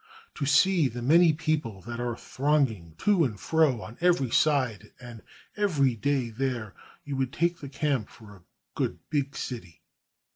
To see the many people that are thronging to and fro on every side and every day there, you would take the camp for a good big city.